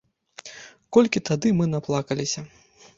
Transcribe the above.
Колькі тады мы наплакаліся!